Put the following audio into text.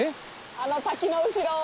あの滝の後ろを。